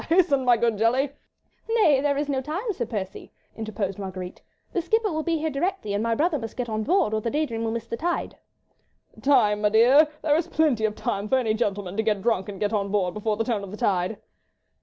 Hasten, my good Jelly!" "Nay, there is no time, Sir Percy," interposed Marguerite. "The skipper will be here directly and my brother must get on board, or the Day Dream will miss the tide." "Time, m'dear? There is plenty of time for any gentleman to get drunk and get on board before the turn of the tide."